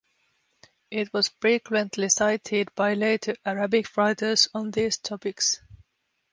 It was frequently cited by later Arabic writers on these topics.